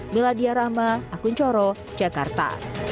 miladia rahma akun coro jakarta